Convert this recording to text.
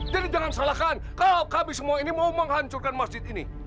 jadi jangan salahkan kalau kami semua ini mau menghancurkan masjid ini